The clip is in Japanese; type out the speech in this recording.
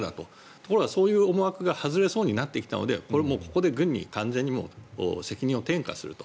ところが、そういう思惑が外れそうになってきたので軍に完全に責任を転嫁すると。